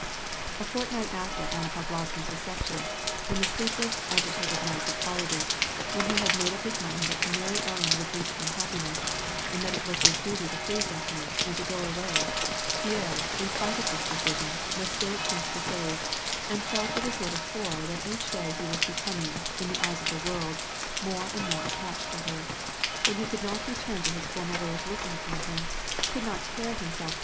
A fortnight after Anna Pavlovna's reception, and the sleep less, agitated night that followed it, when he had made up his mind that to marry Ellen would lead to unhappiness, and that it was his duty to flee from her, and go away, Pierre, in spite of this decision, was still at Prince Vasili's, and felt with a sort of horror that each day he was becoming, in the eyes of the world, more and more attached to her ; that he could not return to his former way of looking upon her; could not tear himself * Rnasia is divided into guh^mie or governments ; those again, into di8 tricta. 250 WAR AND PEACE.